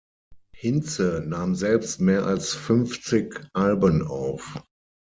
Hinze nahm selbst mehr als fünfzig Alben auf.